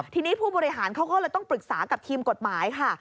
ทีนี้ผู้บริหารเขาก็เลยต้องปรึกษากับทีมกฎหมายค่ะ